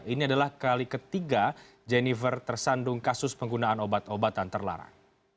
ini adalah kali ketiga jennifer tersandung kasus penggunaan obat obatan terlarang